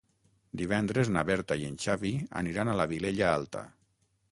Divendres na Berta i en Xavi aniran a la Vilella Alta.